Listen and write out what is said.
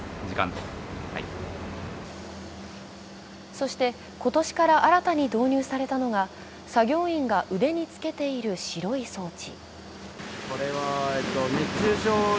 そして今年から新たに導入されたのが作業員が腕につけている白い装置。